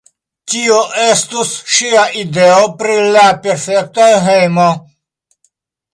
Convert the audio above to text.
Tio estus ŝia ideo pri la perfekta hejmo.